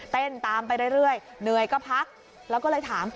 ตามไปเรื่อยเหนื่อยก็พักแล้วก็เลยถาม